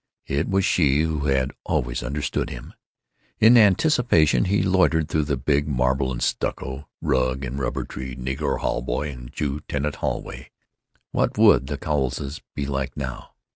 It was she who had always understood him.... In anticipation he loitered through the big, marble and stucco, rug and rubber tree, negro hallboy and Jew tenant hallway.... What would the Cowleses be like, now?